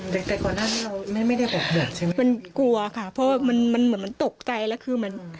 แต่แต่ก่อนหน้านี้เราไม่ไม่ได้ออกแบบใช่ไหมมันกลัวค่ะเพราะว่ามันมันเหมือนมันตกใจแล้วคือมัน